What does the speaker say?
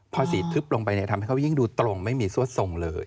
พอสีทึบลงไปเนี่ยทำให้เขายิ่งดูตรงไม่มีซวดทรงเลย